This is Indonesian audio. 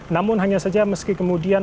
namun hanya saja meski kemudian